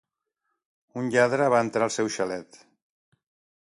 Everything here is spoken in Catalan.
Un lladre va entrar al seu xalet